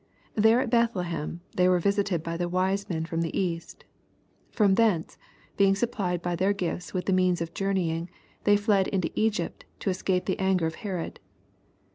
There at Bethlehem, they were visited by the wise men firom the East From thence, being supplied by their gifts with the means of joumeying, they fled into Egypt to escape the anger of Herod.